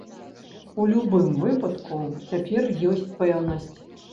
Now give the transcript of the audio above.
У любым выпадку, цяпер ёсць пэўнасць.